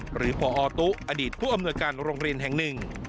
หรือพอตุ๊อดีตผู้อำนวยการโรงเรียนแห่งหนึ่ง